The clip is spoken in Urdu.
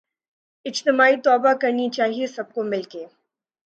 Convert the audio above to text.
اجتماعی توبہ کرنی چاہیے سب کو مل کے